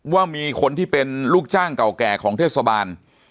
ว่ามีคนที่เป็นลูกจ้างเก่าแก่ของเทศบาล